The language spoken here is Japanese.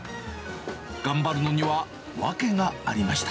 頑張るのには訳がありました。